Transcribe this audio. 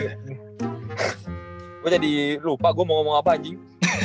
gue jadi lupa gue mau ngomong apa anjing